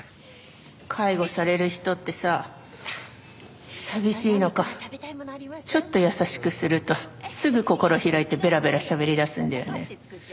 介護される人ってさ寂しいのかちょっと優しくするとすぐ心開いてベラベラしゃべりだすんだよね。